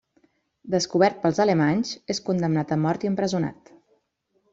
Descobert pels alemanys és condemnat a mort i empresonat.